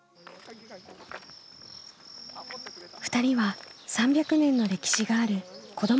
２人は３００年の歴史がある子ども